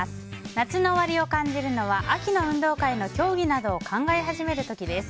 夏の終わりを感じるのは秋の運動会の競技などを考え始める時です。